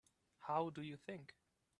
How do you think?